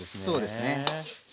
そうですね。